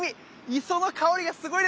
磯の香りがすごいですよ。